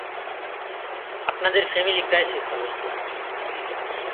আপনাদের family crisis হবে৷